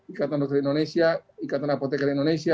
ikatan dokter indonesia ikatan apotekar indonesia